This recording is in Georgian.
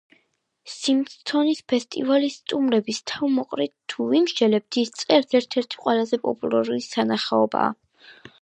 სმითსონის ფესტივალის სტუმრების თავმოყრით თუ ვიმსჯელებთ, ის წელს ერთ-ერთი ყველაზე პოპულარული სანახაობაა.